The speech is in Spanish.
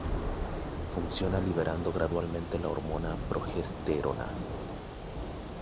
Funciona liberando gradualmente la hormona progesterona.